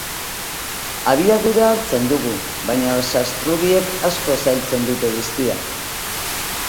Abiadura hartzen dugu baina sastrugiek asko zailtzen duten guztia.